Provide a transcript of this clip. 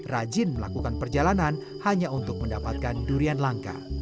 rajin melakukan perjalanan hanya untuk mendapatkan durian langka